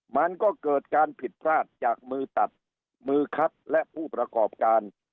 มันก็เกิดการผิดพลาดจากมือตัดมือคัดและผู้ประกอบการ